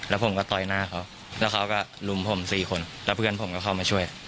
แล้วผมก็ต่อยหน้าเขาแล้วเขาก็ลุมผมสี่คนแล้วเพื่อนผมก็เข้ามาช่วย